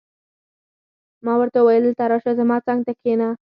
ما ورته وویل: دلته راشه، زما څنګ ته کښېنه.